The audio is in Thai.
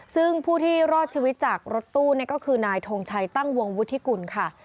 ซึ่งผู้ที่รอดชีวิตจากรถตู้ก็คือนายทงชัยตั้งวงวุฒิกุลค่ะ